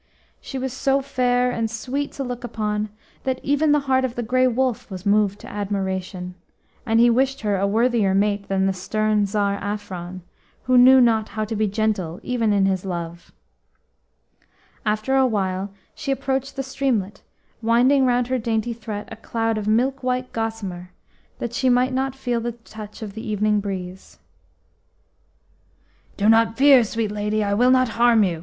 She was so fair and sweet to look upon that even the heart of the Grey Wolf was moved to admiration, and he wished her a worthier mate than the stern Tsar Afron, who knew not how to be gentle even in his love. After a while she approached the streamlet, winding round her dainty throat a cloud of milk white gossamer, that she might not feel the touch of the evening breeze. "Do not fear, sweet lady! I will not harm you!"